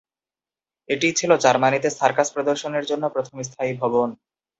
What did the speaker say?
এটিই ছিল জার্মানিতে সার্কাস প্রদর্শনের জন্য প্রথম স্থায়ী ভবন।